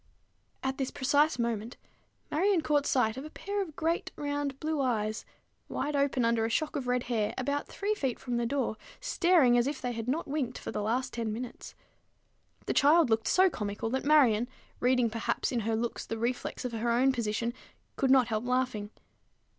At this precise moment, Marion caught sight of a pair of great round blue eyes, wide open under a shock of red hair, about three feet from the floor, staring as if they had not winked for the last ten minutes. The child looked so comical, that Marion, reading perhaps in her looks the reflex of her own position, could not help laughing.